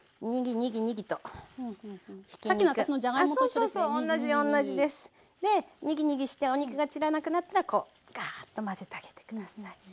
にぎにぎしてお肉が散らなくなったらこうガァーッと混ぜてあげてください。